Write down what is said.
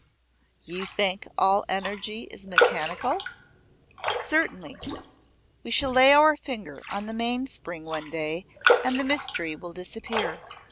"You think all energy is mechanical?" "Certainly. We shall lay our finger on the mainspring one day and the mystery will disappear.